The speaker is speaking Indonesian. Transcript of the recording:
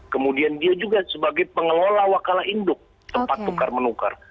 kemudian dia juga sebagai pengelola wakala induk tempat tukar menukar